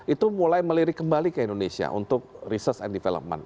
itu mulai melirik kembali ke indonesia untuk research and development